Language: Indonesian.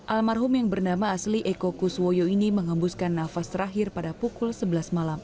almarhum yang bernama asli eko kuswoyo ini mengembuskan nafas terakhir pada pukul sebelas malam